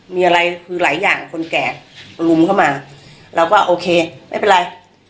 มีอะไรคือหลายอย่างคนแก่ลุมเข้ามาเราก็โอเคไม่เป็นไร